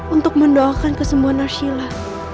untuk mendoakan kesembuhan ashila